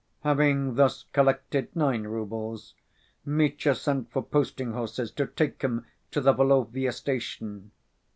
Having thus collected nine roubles Mitya sent for posting‐horses to take him to the Volovya station.